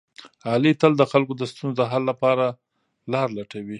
علي تل د خلکو د ستونزو د حل لپاره لاره لټوي.